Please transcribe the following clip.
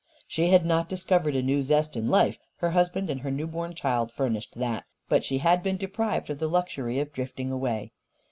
She had not discovered a new zest in life. Her husband and her new born child furnished that. But she had been deprived of the luxury of drifting away.